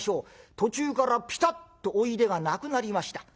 途中からピタッとおいでがなくなりました。